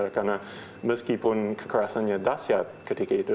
karena meskipun kekerasannya dasyat ketika itu